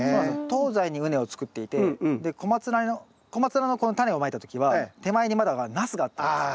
東西に畝を作っていてでコマツナのこのタネをまいた時は手前にまだナスがあったんです。